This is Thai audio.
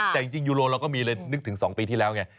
แต่จริงยูโรเราก็มีเลยนึกถึง๒ปีที่แล้วไง